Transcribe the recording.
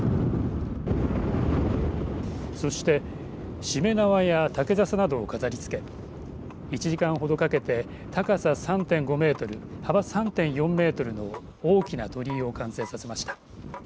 そして、しめ縄や岳ざさなどを飾りつけ１時間ほどかけて高さ３．５メートル幅３．４メートルの大きな鳥居を完成させました。